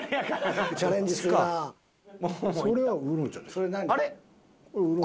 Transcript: それ何？